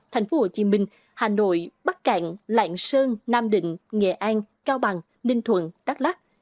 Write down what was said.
tp hcm hà nội bắc cạn lạng sơn nam định nghệ an cao bằng ninh thuận đắk lắc